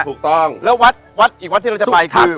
ถูกต้องแล้ววัดวัดอีกวัดที่เราจะไปคือ